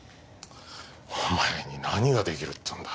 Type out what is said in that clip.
お前に何ができるっていうんだ